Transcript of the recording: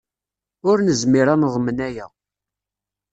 Ur nezmir ad neḍmen aya.